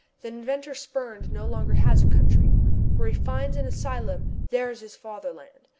The inventor spurned no longer has a country. Where he finds an asylum, there is his fatherland!